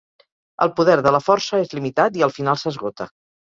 El poder de la Força és limitat i al final s'esgota.